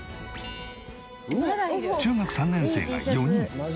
中学３年生が４人。